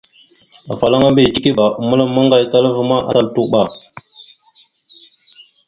Afalaŋa mbiyez tikeba a məlam maŋgayakala ma, atal tuɓa.